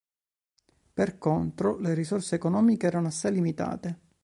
Per contro, le risorse economiche erano assai limitate.